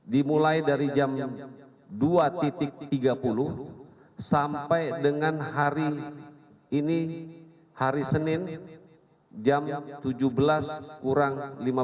dimulai dari jam dua tiga puluh sampai dengan hari ini hari senin jam tujuh belas kurang lima belas